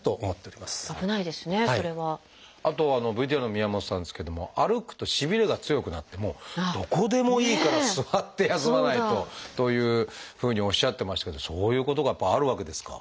あとＶＴＲの宮本さんですけども歩くとしびれが強くなってもうどこでもいいから座って休まないとというふうにおっしゃってましたけどそういうことがやっぱりあるわけですか？